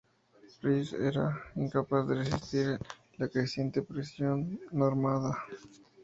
Rhys era incapaz de resistir la creciente presión normanda.